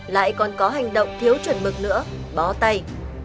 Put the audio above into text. lại còn có hành động thiếu chuẩn mực nữa bó tay